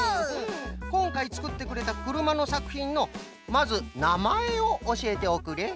こんかいつくってくれたくるまのさくひんのまずなまえをおしえておくれ。